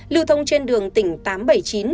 lưu thông trên đường tỉnh tám trăm bảy mươi chín